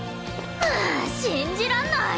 あ信じらんない！